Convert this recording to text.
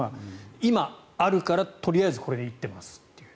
今あるから、とりあえずこれで行ってますという。